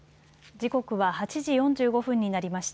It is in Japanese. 時刻は８時４５分になりました。